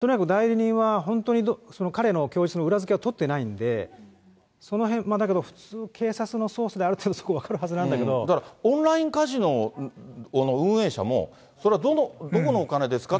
そうなのかなという、とにかく代理人は、本当に彼の供述の裏付けを取ってないんで、そのへん、だけど、普通、警察の捜査である程度、そこ、だからオンラインカジノの運営者も、それはどこのお金ですか？